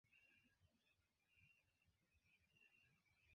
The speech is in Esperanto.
pagos